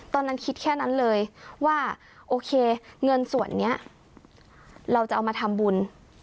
ตอนนั้นคิดแค่นั้นเลยว่าโอเคเงินส่วนนี้เราจะเอามาทำบุญ